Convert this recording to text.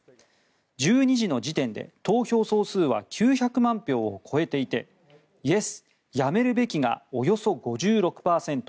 １２時の時点で投票総数は９００万票を超えていてイエス、辞めるべきがおよそ５６％。